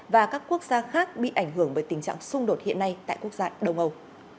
và các quốc gia khác bị ảnh hưởng bởi tình trạng xung đột hiện nay tại quốc gia đông âu